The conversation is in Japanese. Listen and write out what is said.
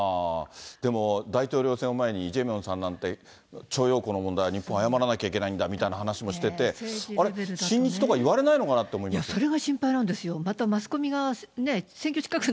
でも大統領選を前に、イ・ジェミョンさんなんて、徴用工の問題、日本、謝らなきゃいけないんだみたいな話もしてて、あれ、親日とかいわれないのかなと思うんですが。